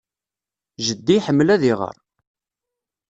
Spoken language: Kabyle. Jeddi iḥemmel ad iɣer.